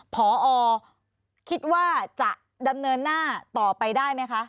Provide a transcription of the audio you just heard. พอคิดว่าจะดำเนินหน้าต่อไปได้ไหมคะ